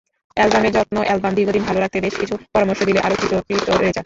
অ্যালবামের যত্নঅ্যালবাম দীর্ঘদিন ভালো রাখতে বেশ কিছু পরামর্শ দিলেন আলোকচিত্রী প্রীত রেজা।